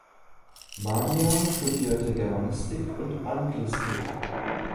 Mania studierte Germanistik und Anglistik.